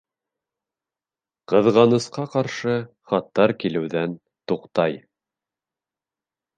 Ҡыҙғанысҡа ҡаршы, хаттар килеүҙән туҡтай.